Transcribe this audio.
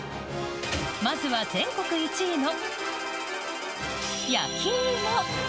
まずは全国１位の焼き芋。